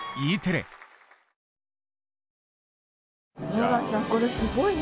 ローランちゃんこれすごいね。